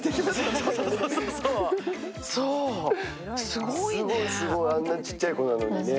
すごいすごい、あんなちっちゃ子なのにね。